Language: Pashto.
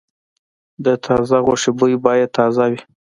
د تازه غوښې بوی باید تازه وي.